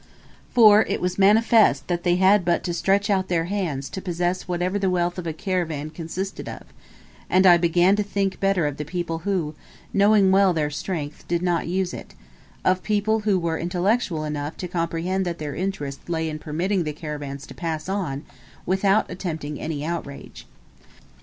For it was manifest that they had but to stretch out their hands to possess whatever the wealth of a caravan consisted of; and I began to think better of the people who, knowing well their strength, did not use it of people who were intellectual enough to comprehend that their interest lay in permitting the caravans to pass on without attempting any outrage.